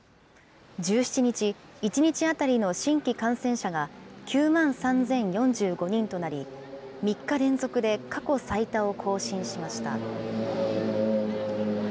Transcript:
１７日、１日当たりの新規感染者が９万３０４５人となり、３日連続で過去最多を更新しました。